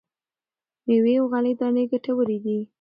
مېوې او غلې دانې ګټورې دي.